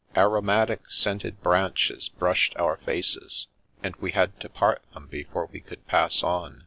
Aromatic scented branches brushed our faces, and we had to part them before we could pass on.